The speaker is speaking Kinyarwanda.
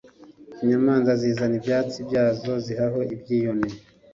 inyamanza zizana ibyatsi byazo zihaho ibyiyoni.